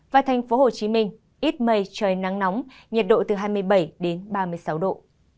và thành phố hồ chí minh ít mây trời nắng nóng nhiệt độ từ hai mươi bảy đến ba mươi sáu độ